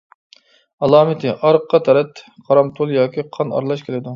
ئالامىتى : ئارقا تەرەت قارامتۇل ياكى قان ئارىلاش كېلىدۇ.